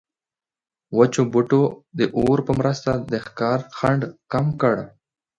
وچو بوټو د اور په مرسته د ښکار خنډ کم کړ.